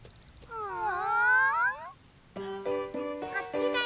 うん？